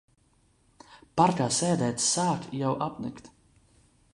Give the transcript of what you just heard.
Parkā sēdēt sāk jau apnikt.